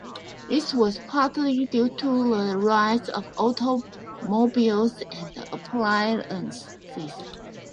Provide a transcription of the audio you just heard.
This was partly due to the rise of automobiles and appliances.